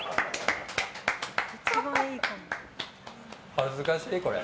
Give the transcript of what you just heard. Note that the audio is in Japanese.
恥ずかしい、これ。